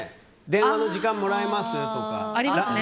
電話の時間もらえます？とか。